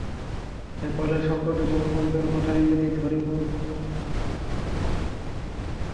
নেপালের সাম্প্রতিক ভূমিকম্পের কথাই যদি ধরি, মূল ভূমিকম্পটি হয়েছে কাঠমান্ডু থেকে পশ্চিম দিকে।